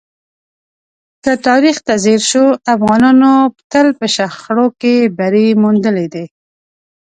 که تاریخ ته ځیر شو، افغانانو تل په شخړو کې بری موندلی دی.